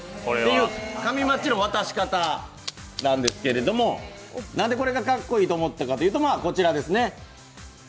紙マッチの渡し方なんですけど、何でこれがかっこいいと思ったかというと、こちらですね。